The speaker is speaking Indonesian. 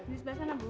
di sebelah sana bu